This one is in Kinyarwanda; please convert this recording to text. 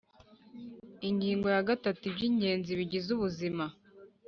Ingingo ya gatatu Iby ingenzi bigize ubuzima